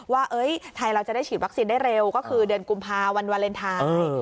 ว่าไทยเราจะได้ฉีดวัคซีนได้เร็วก็คือเดือนกุมภาวันวาเลนไทย